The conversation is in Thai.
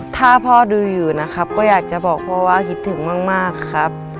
ถ้าพ่อดูอยู่นะครับก็อยากจะบอกพ่อว่าคิดถึงมากครับ